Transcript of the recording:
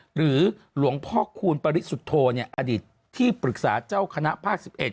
หรือหลวงพ่อคูณปริสุทธโธอดีตที่ปรึกษาเจ้าคณะภาค๑๑